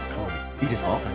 いいですか？